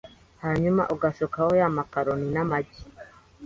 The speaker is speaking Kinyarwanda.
hanyuma ugasukaho ya makaroni n’amagi